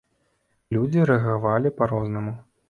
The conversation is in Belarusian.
Людзі рэагавалі па рознаму.